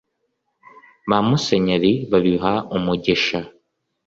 ba musenyeri babiha umugisha